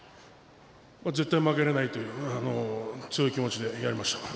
絶対負けられないという強い気持ちでやりました。